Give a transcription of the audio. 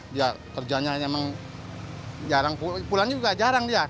dia kerjanya emang jarang pulang juga jarang dia